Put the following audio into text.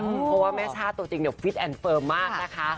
เพราะว่าแม่ช่าตัวจริงเนี่ยฟิตแอนด์เฟิร์มมากนะคะ